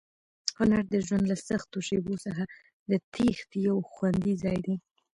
هنر د ژوند له سختو شېبو څخه د تېښتې یو خوندي ځای دی.